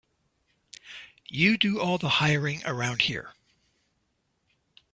You do all the hiring around here.